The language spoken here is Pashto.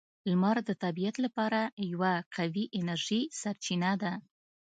• لمر د طبیعت لپاره یوه قوی انرژي سرچینه ده.